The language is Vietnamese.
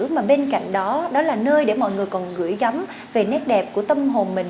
mà bên cạnh đó đó là nơi để mọi người còn gửi gắm về nét đẹp của tâm hồn mình